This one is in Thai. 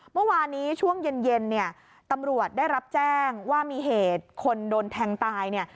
เมื่อวานี้ช่วงเย็นตำรวจได้รับแจ้งว่ามีเหตุคนโดนแทงตาย